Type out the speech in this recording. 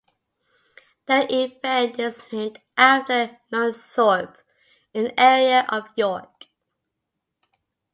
The event is named after Nunthorpe, an area of York.